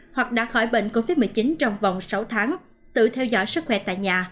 hoặc đã khỏi bệnh covid một mươi chín trong vòng sáu tháng tự theo dõi sức khỏe tại nhà